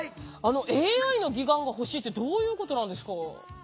ＡＩの義眼が欲しいってどういうことなんですか？